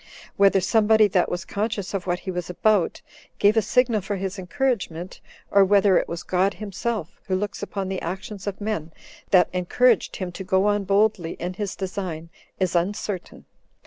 Whether somebody 3 that was conscious of what he was about, gave a signal for his encouragement, or whether it was God himself, who looks upon the actions of men, that encouraged him to go on boldly in his design, is uncertain.